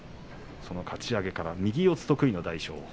そのかち上げから右四つ得意の大翔鵬。